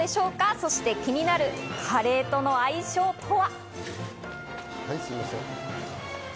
そして気になるカレーとの相性は？